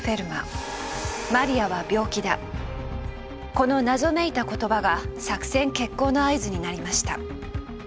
この謎めいた言葉が作戦決行の合図になりました。